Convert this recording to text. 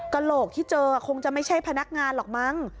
โหลกที่เจอคงจะไม่ใช่พนักงานหรอกมั้ง